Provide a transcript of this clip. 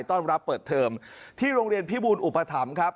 ต้อนรับเปิดเทอมที่โรงเรียนพิบูลอุปถัมภ์ครับ